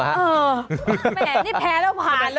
แหมนี่แพ้แล้วผ่านเลย